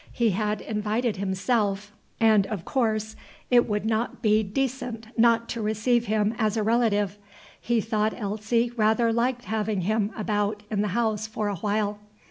He had invited himself, and of course it would not be decent not to receive him as a relative. He thought Elsie rather liked having him about the house for a while.